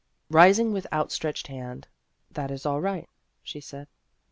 Rising with outstretched hand, " That is all right," she said.